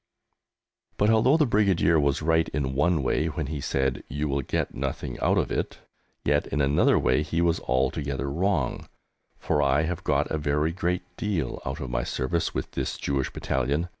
But although the Brigadier was right in one way when he said "You will get nothing out of it," yet in another way he was altogether wrong, for I have got a very great deal out of my service with this Jewish Battalion.